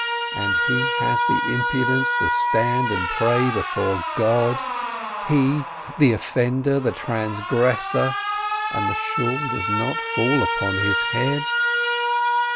And he has the impudence to stand and pray before God? He, the offender, the transgressor — and the Shool does not fall upon his head?